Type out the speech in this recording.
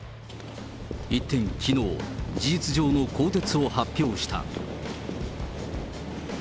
一転、きのう、事実上の更迭を発表した。